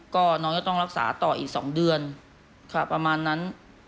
ก็น้องจะต้องรักษาต่ออีก๒เดือนประมาณนั้น